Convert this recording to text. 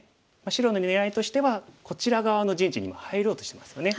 白の狙いとしてはこちら側の陣地に入ろうとしてますよね。